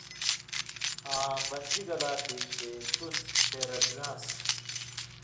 آں بنژی گلا تھی چے تُس پھېرٹیۡران٘س۔